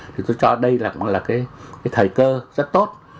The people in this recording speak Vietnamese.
thì tôi cho đây là cái thầy cơ rất tốt